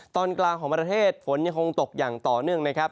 ตอนกลางของประเทศฝนยังคงตกอย่างต่อเนื่องนะครับ